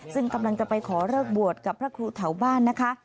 ซึ่งกำลังจะไปขอเลิกบวชกับพระครูแถวบ้านนะคะ